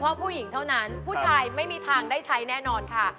เพราะผู้หญิงเท่านั้นผู้ชายไม่มีทางได้ใช้แน่นอนค่ะ